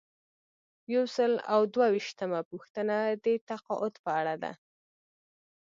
یو سل او دوه ویشتمه پوښتنه د تقاعد په اړه ده.